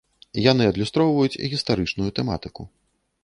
Яны адлюстроўваюць гістарычную тэматыку.